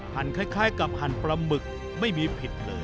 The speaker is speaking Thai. คล้ายกับหั่นปลาหมึกไม่มีผิดเลย